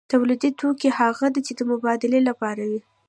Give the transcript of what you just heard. د تولید توکي هغه دي چې د مبادلې لپاره وي.